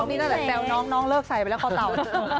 ซ่วงนี้ตั้งแต่แซวน้องเลิกไซ่ไปแล้วคอเต่า